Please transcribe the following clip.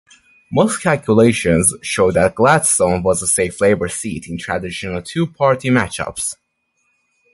Most calculations showed that Gladstone was a safe Labor seat in "traditional" two-party matchups.